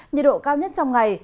nhiệt độ cao nhất trong ngày